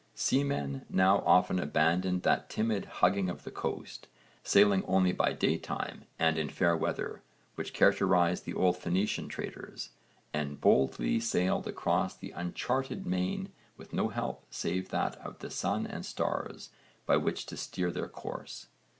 Seamen now often abandoned that timid hugging of the coast, sailing only by day time and in fair weather, which characterised the old Phoenician traders, and boldly sailed across the uncharted main with no help save that of the sun and stars by which to steer their course.